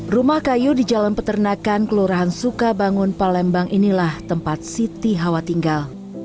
rumah kayu di jalan peternakan kelurahan sukabangun palembang inilah tempat siti hawa tinggal